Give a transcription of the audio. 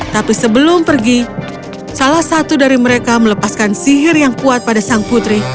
tapi sebelum pergi salah satu dari mereka melepaskan sihir yang kuat pada sang putri